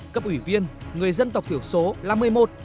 cấp ủy viên người dân tộc tiểu số là một mươi một sáu mươi tám